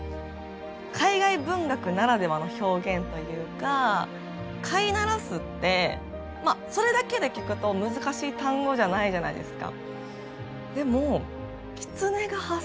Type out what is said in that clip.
海外文学ならではの表現というか「飼いならす」ってまあそれだけで聞くと難しい単語じゃないじゃないですか。